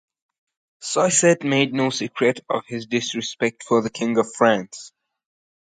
Saisset made no secret of his disrespect for the King of France.